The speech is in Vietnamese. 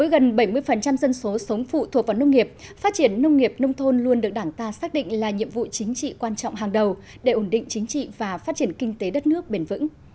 gần bảy mươi dân số sống phụ thuộc vào nông nghiệp phát triển nông nghiệp nông thôn luôn được đảng ta xác định là nhiệm vụ chính trị quan trọng hàng đầu để ổn định chính trị và phát triển kinh tế đất nước bền vững